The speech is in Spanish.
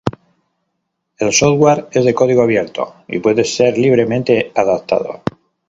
El software es de código abierto y puede ser libremente adaptado.